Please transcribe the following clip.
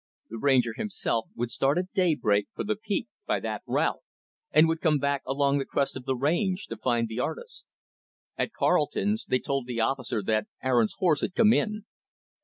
The Ranger, himself, would start, at daybreak, for the peak, by that route; and would come back along the crest of the range, to find the artist. At Carleton's, they told the officer that Aaron's horse had come in.